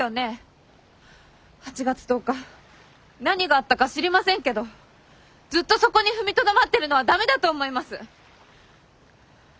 ８月１０日何があったか知りませんけどずっとそこに踏みとどまってるのは駄目だと思います！